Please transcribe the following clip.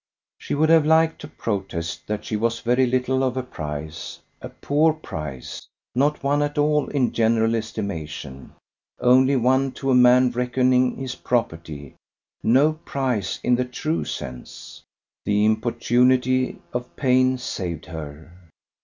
She would have liked to protest that she was very little of a prize; a poor prize; not one at all in general estimation; only one to a man reckoning his property; no prize in the true sense. The importunity of pain saved her.